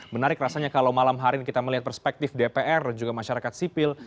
menarik rasanya kalau malam hari ini kita melihat perspektif dpr dan juga masyarakat sipil